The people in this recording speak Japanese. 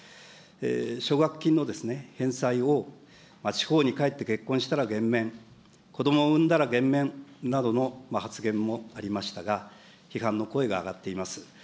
奨学金の返済を、地方に帰って結婚したら減免、子どもを産んだら減免などの発言もありましたが、批判の声が上がっています。